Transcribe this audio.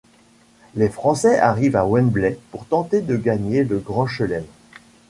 Les Français arrivent à Wembley pour tenter de gagner le grand chelem.